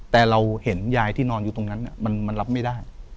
แต่เราเห็นยายที่นอนอยู่ตรงนั้นมันรับไม่ได้